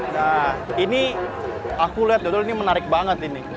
nah ini aku lihat dodol ini menarik banget ini